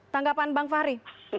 tanggapan bang fahri